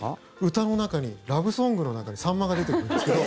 歌の中にラブソングの中にサンマが出てくるんですけど。